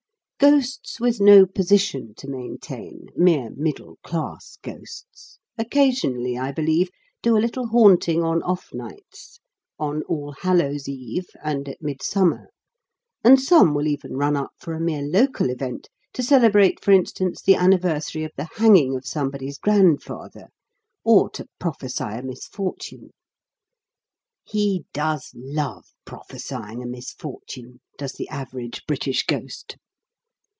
Ghosts with no position to maintain mere middle class ghosts occasionally, I believe, do a little haunting on off nights: on All hallows Eve, and at Midsummer; and some will even run up for a mere local event to celebrate, for instance, the anniversary of the hanging of somebody's grandfather, or to prophesy a misfortune. He does love prophesying a misfortune, does the average British ghost.